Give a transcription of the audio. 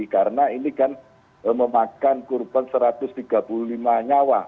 karena ini kan memakan kurban satu ratus tiga puluh lima nyawa